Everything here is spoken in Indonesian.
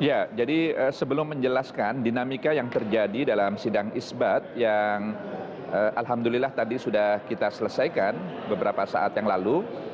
ya jadi sebelum menjelaskan dinamika yang terjadi dalam sidang isbat yang alhamdulillah tadi sudah kita selesaikan beberapa saat yang lalu